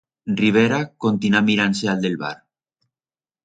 Rivera contina mirand-se a'l d'el bar.